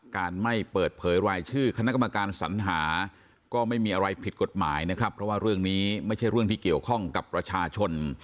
การไม่เปิดเผยรายชื่อคณะกรรมการสัญหาก็ไม่มีอะไรผิดกฎหมายนะครับเพราะว่าเรื่องนี้ไม่ใช่เรื่องที่เกี่ยวข้องกับประชาชน